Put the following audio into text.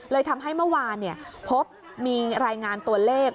เลยทำให้เมื่อวานพบมีรายงานตัวเลข